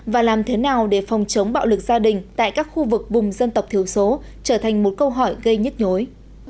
và làm thế nào để phòng chống bạo lực gia đình tại các khu vực vùng dân tộc thiếu số trở thành một câu hỏi gây nhức nhối